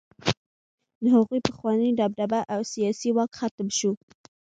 د هغوی پخوانۍ دبدبه او سیاسي واک ختم شو.